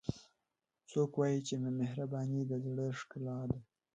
څوک وایي چې مهربانۍ د زړه ښکلا ده